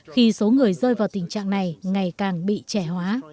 khi số người rơi vào tình trạng này ngày càng bị trẻ hóa